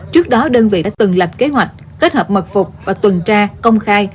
trước đó đơn vị đã từng lập kế hoạch kết hợp mật phục và tuần tra công khai